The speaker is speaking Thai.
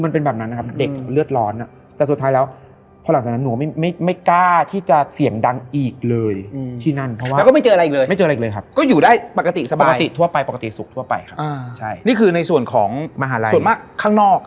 มันได้ยินเสียงคนเดิน